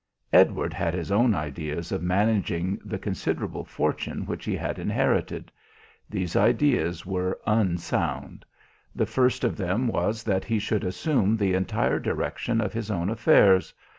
Edward had his own ideas of managing the considerable fortune which he had inherited. These ideas were unsound. The first of them was that he should assume the entire direction of his own affairs.